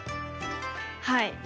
はい。